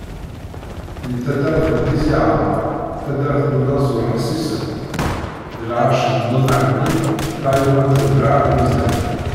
Deg taddart n Tizi Ɛammer, taddart n unaẓur Ḥsisen, deg lɛerc n Bumahni taɣiwant n Draɛ Lmizan.